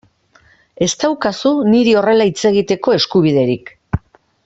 Ez daukazu niri horrela hitz egiteko eskubiderik.